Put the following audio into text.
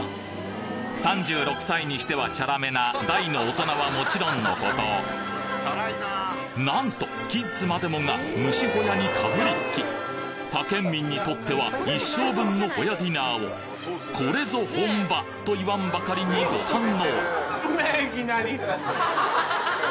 ３６歳にしてはチャラめな大の大人はもちろんのことなんとキッズまでもが蒸しホヤにかぶりつき他県民にとっては一生分のホヤディナーを「これぞ本場」と言わんばかりにご堪能！